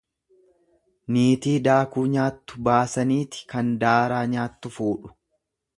Niitii daakuu nyaattu baasaniiti Kan daaraa nyaattu fuudhu.